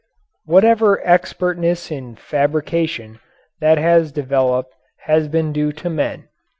Whatever expertness in fabrication that has developed has been due to men.